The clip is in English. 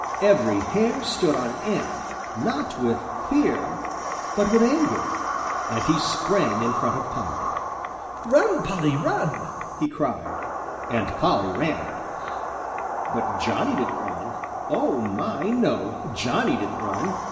Every hair stood on end, not with fear, but with anger, and he sprang in front of Polly. "Run, Polly, run!" he cried, and Polly ran. But Johnny didn't run. Oh, my, no! Johnny didn't run.